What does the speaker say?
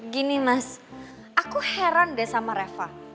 gini mas aku heran deh sama reva